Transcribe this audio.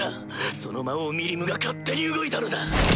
その魔王ミリムが勝手に動いたのだ！